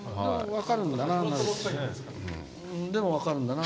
でも分かるんだな。